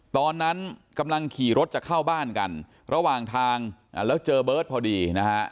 ตอนนั้นกำลังขี่รถจะเข้าบ้านกันระหว่างทางแล้วเจอเบิร์ตพอดีนะฮะ